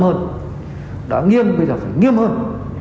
phải quyết tâm hơn đã nghiêm bây giờ phải nghiêm hơn